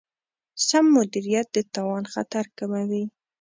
سم مدیریت د تاوان خطر کموي.